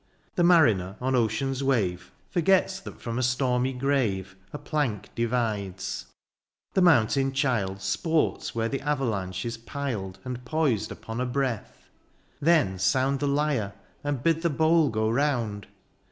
The mariner on ocean's wave Forgets that from a stormy grave THE AREOPAGITE. 67 A plank divides : the mountain child Sports where the avalanche is piled And poised upon a breath : then sound The lyre, and bid the bowl go round